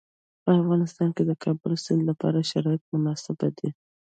په افغانستان کې د کابل سیند لپاره شرایط مناسب دي.